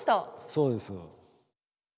そうです。